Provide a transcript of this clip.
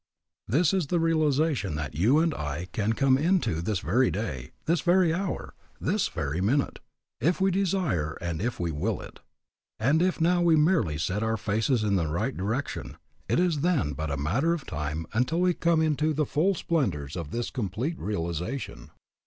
This is the realization that you and I can come into this very day, this very hour, this very minute, if we desire and if we will it. And if now we merely set our faces in the right direction, it is then but a matter of time until we come into the full splendors of this complete realization.